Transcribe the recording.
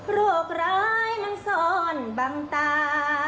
โรคร้ายมันซ่อนบังตา